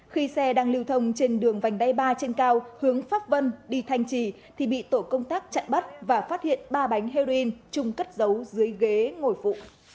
khi xe đang lưu thông trên đường vành đai ba trên cao hướng pháp vân đi thanh trì thì bị tổ công tác chặn bắt và phát hiện ba bánh heroin chung cất dấu dưới ghế ngồi phụ